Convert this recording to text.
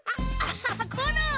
コロン！